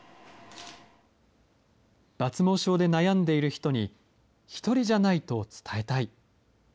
抜毛症で悩んでいる人に、ひとりじゃないと伝えたい。